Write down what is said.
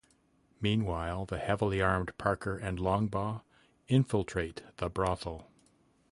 Meanwhile, the heavily armed Parker and Longbaugh infiltrate the brothel.